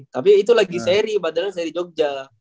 tapi itu lagi seri padahal seri jogja